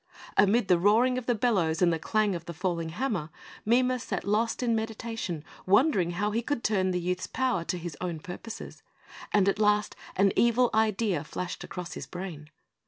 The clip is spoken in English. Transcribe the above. Amidst the roaring of the bellows and the clang of the falling hammer, Mime sat lost in meditation, wondering how he could turn the youth's power to his own purposes; and at last an evil idea flashed across his brain.